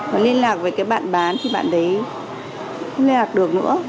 mà liên lạc với cái bạn bán thì bạn đấy không liên lạc được nữa